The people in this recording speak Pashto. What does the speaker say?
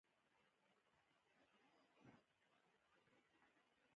له یوې څپې سره یو خروار بلګونه پر ځمکه پراته وو.